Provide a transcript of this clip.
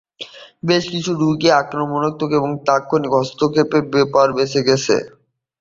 বেশ কিছু রোগী আক্রমণাত্মক এবং তাৎক্ষণিক হস্তক্ষেপের পর বেঁচে গেছে।